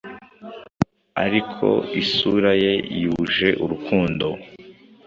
Ariko isura ye yuje urukundo,